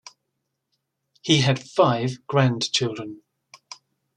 He had five grandchildren.